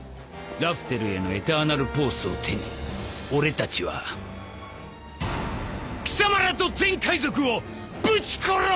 ラフテルへのエターナルポースを手に俺たちは貴様らと全海賊をぶち殺す！